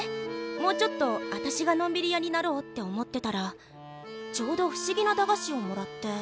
もうちょっと私がのんびり屋になろうって思ってたらちょうど不思議な駄菓子をもらって。